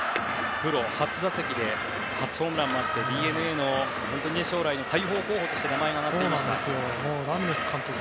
プロ初打席で初ホームランもあってＤｅＮＡの将来の大砲候補として名前が挙がっていました。